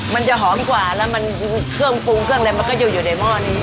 มันจะหอมกว่าแล้วมันเครื่องปรุงเครื่องอะไรมันก็จะอยู่ในหม้อนี้